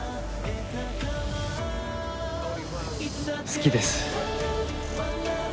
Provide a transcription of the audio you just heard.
好きです。